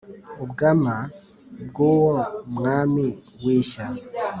Ubwama bw'uwo mwari w'ishya